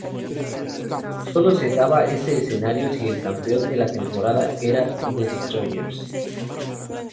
Solo se daba este escenario si el campeón de la temporada era Destroyers.